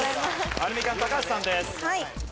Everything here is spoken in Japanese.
アルミカン高橋さんです。